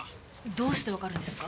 どうしてわかるんですか？